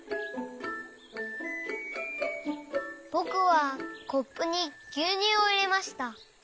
ぼくはコップにぎゅうにゅうをいれました。